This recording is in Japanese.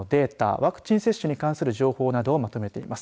ワクチン接種に関する情報などをまとめています。